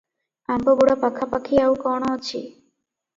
ଅମ୍ବାଗୁଡା ପାଖାପାଖି ଆଉ କଣ ଅଛି?